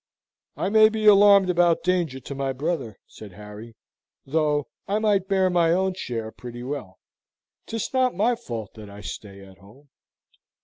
"I may be alarmed about danger to my brother," said Harry, "though I might bear my own share pretty well. 'Tis not my fault that I stay at home."